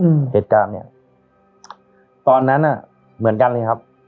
เหตุการณ์เนี้ยตอนนั้นอ่ะเหมือนกันเลยครับ